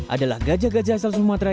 adalah gajah gajah asal sumatera